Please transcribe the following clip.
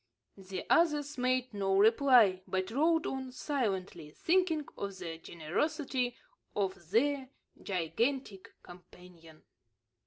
The others made no reply, but rode on silently, thinking of the generosity of their gigantic companion.